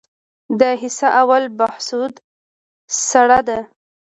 د حصه اول بهسود سړه ده